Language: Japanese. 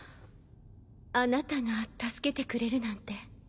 あなたが助けてくれるなんて。